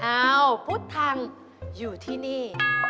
อ้าวพุทธทางอยู่ที่นี่